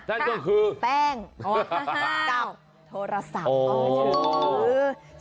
นั่นก็คือแป้งกับโทรศัพท์